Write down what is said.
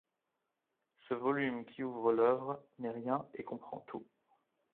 Ce volume, qui ouvre l’œuvre, n’est rien et comprend tout.